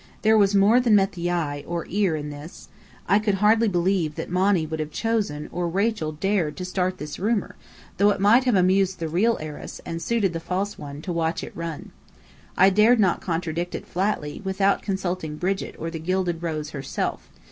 There was more than met the eye or ear in this. I could hardly believe that Monny would have chosen, or Rachel dared, to start this rumour, though it might have amused the real heiress, and suited the false one, to watch it run. I dared not contradict it flatly, without consulting Brigit or the Gilded Rose herself.